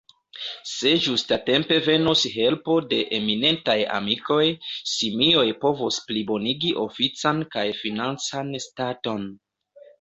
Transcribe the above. Se ĝustatempe venos helpo de eminentaj amikoj, Simioj povos plibonigi ofican kaj financan staton.